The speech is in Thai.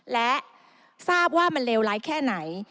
และทราบว่ามันเลวร้ายแค่ไหน